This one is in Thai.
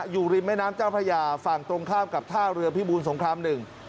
อยู่ริมแม่น้ำเจ้าพระยาฝั่งตรงข้ามกับท่าเรือพิบูรสงครามหนึ่ง